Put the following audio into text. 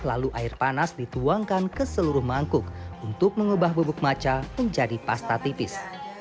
lalu air panas dituangkan ke seluruh mangkuk untuk mengubah bubuk maca menjadi pasta tipis